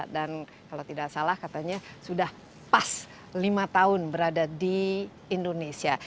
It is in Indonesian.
dan kalau tidak salah katanya sudah pas lima tahun berada di indonesia